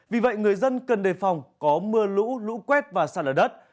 vì vậy người dân cần đề phòng có mưa lũ lũ quét và sạt lở đất